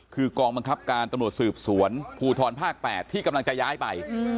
คือกองบังคับการตำรวจสืบสวนภูทรภาค๘ที่กำลังจะย้ายไป